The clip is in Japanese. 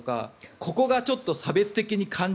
ここがちょっと差別的に感じ